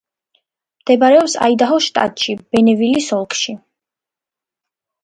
მდებარეობს აიდაჰოს შტატში, ბონევილის ოლქში.